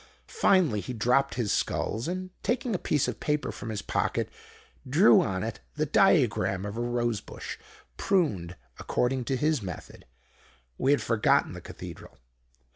Finally, he dropped his sculls, and, taking a piece of paper from his pocket, drew on it the diagram of a rose bush pruned according to his method. We had forgotten the Cathedral.